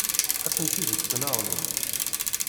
Atenti deg tneɣrumt.